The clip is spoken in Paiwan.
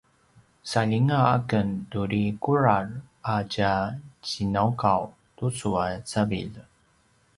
saljinga aken turi kudral a tja ginaugaw tucu a cavilj